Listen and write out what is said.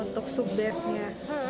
untuk sup base nya